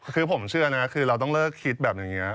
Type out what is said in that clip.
คือผมเชื่อนะคือเราต้องเลิกคิดแบบนี้